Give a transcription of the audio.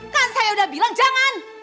kan saya udah bilang jangan